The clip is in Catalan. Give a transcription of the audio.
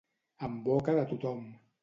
En boca de tothom.